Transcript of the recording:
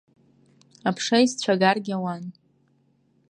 Аԥша исцәагаргьы ауан.